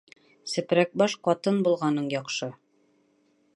Сепрәк баш ҡатын булғаның яҡшы.